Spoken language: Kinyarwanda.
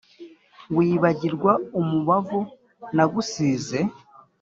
Wibagirwa umubavu nagusize